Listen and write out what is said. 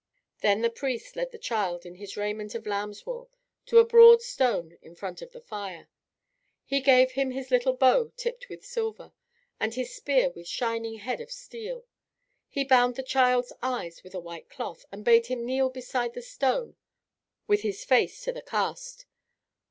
Then the priest led the child in his raiment of lamb's wool to a broad stone in front of the fire. He gave him his little bow tipped with silver, and his spear with shining head of steel. He bound the child's eyes with a white cloth, and bade him kneel beside the stone with his face to the cast.